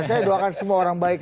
saya doakan semua orang baik